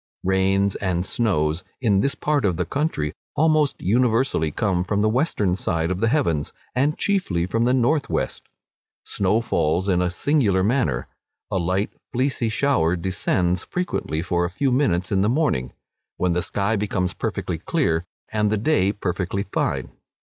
Rains and snows, in this part of the country almost universally come from the western side of the heavens, and chiefly from the north west. Snow falls here in a singular manner. A light fleecy shower descends frequently for a few minutes in the morning, when the sky becomes perfectly clear, and the day perfectly fine.